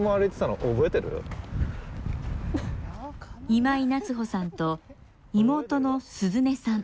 今井夏帆さんと妹の鈴音さん。